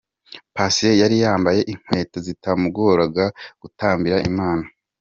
Patient yari yambaye inkweto zitamugoraga gutambira Imana.